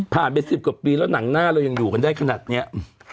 ไป๑๐กว่าปีแล้วหนังหน้าเรายังอยู่กันได้ขนาดนี้